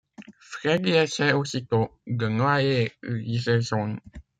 Freddy essaie aussitôt de noyer Jason.